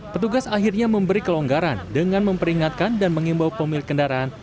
petugas akhirnya memberi kelonggaran dengan memperingatkan dan mengimbau pemilik kendaraan